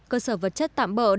cơ sở vật chất tạm bỡ